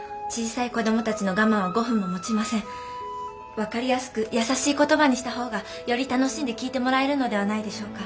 分かりやすく易しい言葉にした方がより楽しんで聞いてもらえるのではないでしょうか。